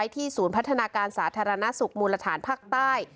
ศูนย์พัฒนาการสาธารณสุขมูลฐานภาคใต้